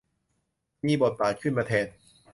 มีบทบาทขึ้นมาแทน